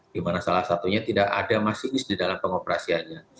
di mana salah satunya tidak ada masinis di dalam pengoperasiannya